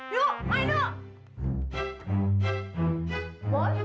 yuk main dong